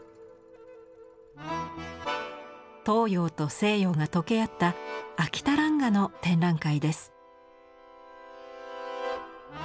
東洋と西洋が溶け合った秋田蘭画の展覧会です。